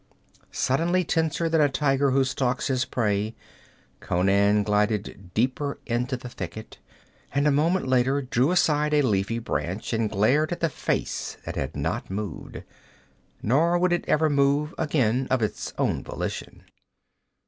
Suddenly tenser than a tiger who stalks his prey, Conan glided deeper into the thicket, and a moment later drew aside a leafy branch and glared at the face that had not moved. Nor would it ever move again, of its own volition.